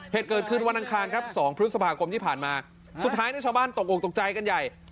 เหตุเกิดขึ้นวันอังคารครับ๒พฤษภาคมที่ผ่านมาสุดท้ายในชาวบ้านตกออกตกใจกันใหญ่